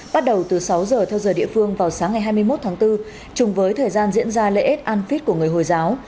bắt đầu từ sáu giờ theo giờ địa phương vào sáng ngày hai mươi một tháng bốn chung với thời gian diễn ra lễ anfid của người hồi giáo